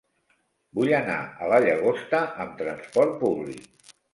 Vull anar a la Llagosta amb trasport públic.